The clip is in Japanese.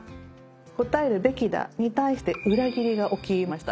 「答えるべきだ」に対して裏切りがおきました。